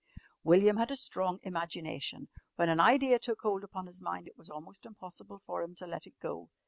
William had a strong imagination. When an idea took hold upon his mind, it was almost impossible for him to let it go.